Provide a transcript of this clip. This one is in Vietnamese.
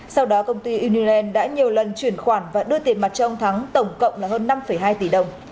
sau đó công ty uniren đã nhiều lần chuyển khoản và đưa tiền mặt cho ông thắng tổng cộng là hơn năm hai tỷ đồng